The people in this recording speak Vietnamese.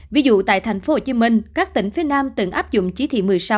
ví dụ tại thành phố hồ chí minh các tỉnh phía nam từng áp dụng chí thị một mươi sáu